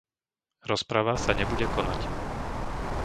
Rozprava sa nebude konať.